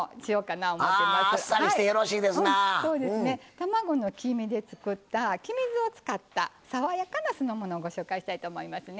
卵の黄身で作った黄身酢を使った爽やかな酢の物をご紹介したいと思いますね。